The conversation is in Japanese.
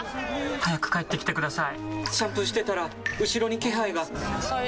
早く帰ってきてください！